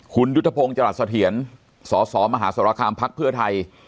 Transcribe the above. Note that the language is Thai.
คุณยุทธพงศ์จรัสเถียรสสมหาสรคามพักเพื่อไทย